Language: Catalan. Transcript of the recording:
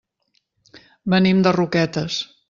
Venim de Roquetes.